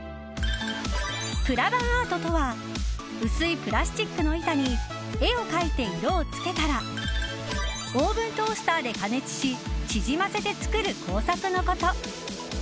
プラバンアートとは薄いプラスチックの板に絵を描いて色をつけたらオーブントースターで加熱し縮ませて作る工作のこと。